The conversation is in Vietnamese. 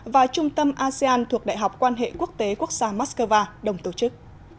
và trung tâm asean thuộc đại học quan hệ quốc tế quốc gia moscow đồng tổ chức